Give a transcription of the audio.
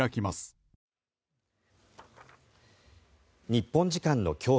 日本時間の今日